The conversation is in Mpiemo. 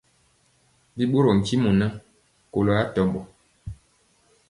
Bi ɓorɔɔ ntimɔ ŋan, kɔlo atɔmbɔ.